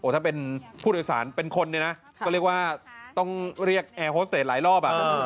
ถ้าเป็นผู้โดยสารเป็นคนเนี่ยนะก็เรียกว่าต้องเรียกแอร์โฮสเตจหลายรอบ